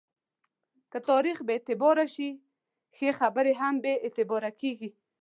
که تاریخ بې اعتباره شي، ښې برخې یې هم بې اعتباره کېږي.